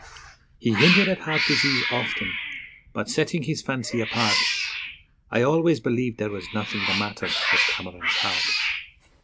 He hinted at heart disease often, but, setting his fancy apart, I always believed there was nothing the matter with Cameron's heart.